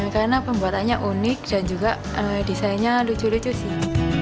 karena pembuatannya unik dan juga desainnya lucu lucu sih